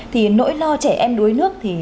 thì nỗi lo trẻ em đuối nước